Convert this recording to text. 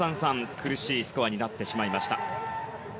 苦しいスコアになってしまいました。